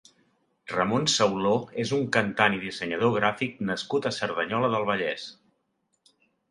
Ramon Sauló és un cantant i dissenyador gràfic nascut a Cerdanyola del Vallès.